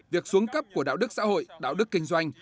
việc xuống cấp của đạo đức xã hội đạo đức kinh doanh